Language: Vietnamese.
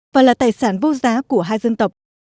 và là tài sản vô giá của hai dân tộc